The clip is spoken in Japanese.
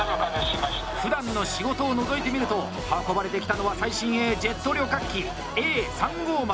ふだんの仕事をのぞいてみると運ばれてきたのは最新鋭ジェット旅客機Ａ３５０！